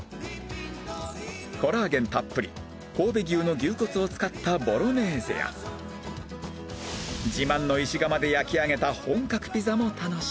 コラーゲンたっぷり神戸牛の牛骨を使ったボロネーゼや自慢の石窯で焼き上げた本格ピザも楽しめ